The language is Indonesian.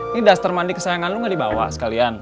nih daster mandi kesayangan lo ga di bawah sekalian